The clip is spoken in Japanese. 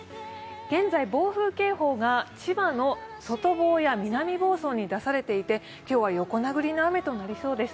現在暴風警報が千葉の外房や南房総に出されていて今日は横殴りの雨となりそうです。